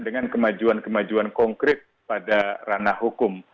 dengan kemajuan kemajuan konkret pada ranah hukum